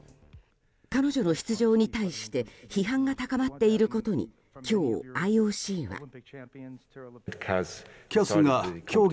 彼女の出場に対して批判が高まっていることに今日、ＩＯＣは。